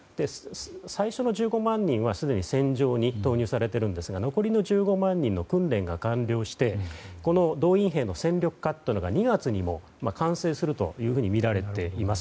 最初の１５万人は、すでに戦場に動員されているんですが残りの１５万人の訓練が完了してこの動員兵の戦力化が２月にも完成するとみられています。